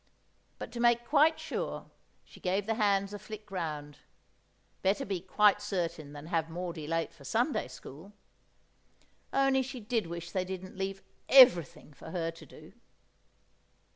But to make quite sure, she gave the hands a flick round; better be quite certain than have Maudie late for Sunday school. Only she did wish they didn't leave everything for her to do!